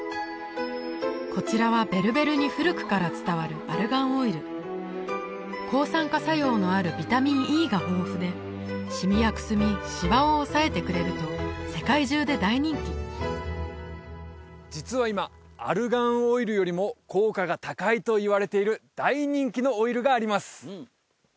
こちらはベルベルに古くから伝わるアルガンオイル抗酸化作用のあるビタミンＥが豊富でシミやくすみシワを抑えてくれると世界中で大人気実は今アルガンオイルよりも効果が高いといわれている大人気のオイルがあります